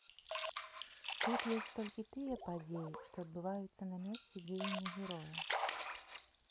Тут ёсць толькі тыя падзеі, што адбываюцца на месцы дзеяння героя.